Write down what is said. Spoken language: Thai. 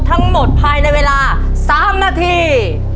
ทั้งหมดภายในเวลา๓นาที